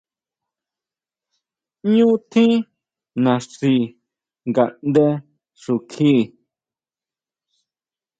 Ñú tjín naxi ngaʼndé xukji.